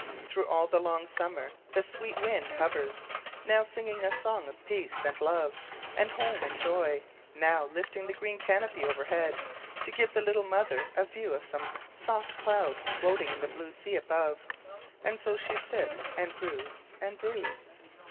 Through all the long summer the sweet wind hovers, now singing a song of peace and love and home and joy, now lifting the green canopy overhead, to give the little mother a view of some soft cloud floating in the blue sea above. And so she sits, and broods and broods.